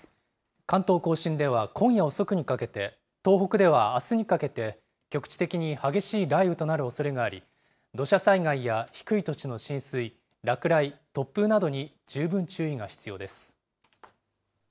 関東甲信では今夜遅くにかけて、東北ではあすにかけて、局地的に激しい雷雨となるおそれがあり、土砂災害や低い土地の浸水、落雷、突風などに十分注意が必要です。